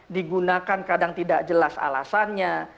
digunakan kadang tidak jelas alasannya